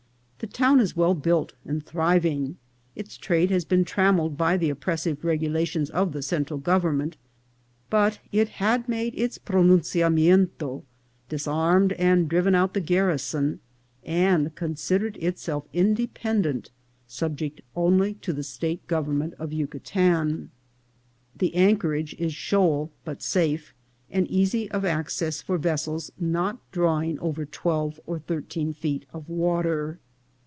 The town is well built and thriving ; its trade has been trammelled by the oppressive regulations of the Central government, but it had made its pronunciamento, disarmed and driv en out the garrison, and considered itself independent, subject only to the state government of Yucatan. The anchorage is shoal but safe, and easy of access for ves sels not drawing over twelve or thirteen feet of water.